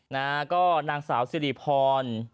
นางสาวซิริพร